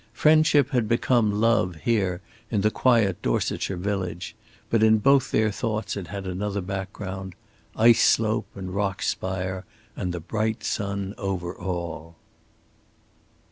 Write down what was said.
Friendship had become love here in the quiet Dorsetshire village, but in both their thoughts it had another background ice slope and rock spire and the bright sun over all.